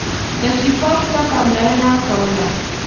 تشریفاتو ته پاملرنه کوله.